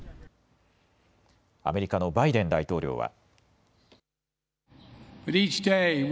アメリカのバイデン大統領は。